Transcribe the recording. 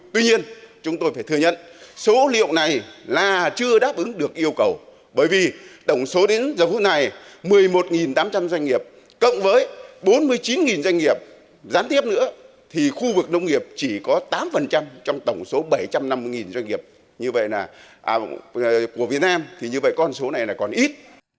tuy nhiên chúng tôi phải thừa nhận số liệu này là chưa đáp ứng được yêu cầu bởi vì tổng số đến giờ phút này một mươi một tám trăm linh doanh nghiệp cộng với bốn mươi chín doanh nghiệp gián tiếp nữa thì khu vực nông nghiệp chỉ có tám trong tổng số bảy trăm năm mươi doanh nghiệp của việt nam thì như vậy con số này là còn ít